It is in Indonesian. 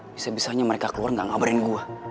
bisa bisanya mereka keluar nggak ngabarin gue